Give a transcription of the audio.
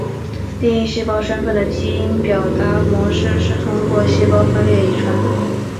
定义细胞身份的基因表达模式是通过细胞分裂遗传的。